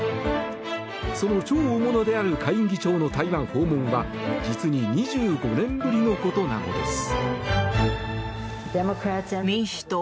その超大物である下院議長の台湾訪問は実に２５年ぶりのことなのです。